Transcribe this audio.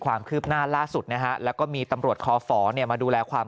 ความคืบหน้าล่าสุดนะฮะแล้วก็มีตำรวจคอฝมาดูแลความ